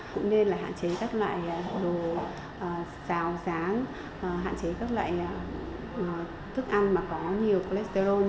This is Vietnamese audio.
cũng nên là hạn chế các loại đồ xào sáng hạn chế các loại thức ăn mà có nhiều cholesterol